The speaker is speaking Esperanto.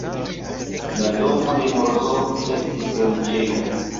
La domo de Morozov estis riĉega.